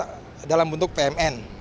butuh investasi dalam bentuk pmn